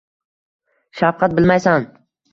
Shafqat bilmaysan.